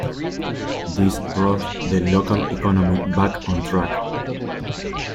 This brought the local economy back on track.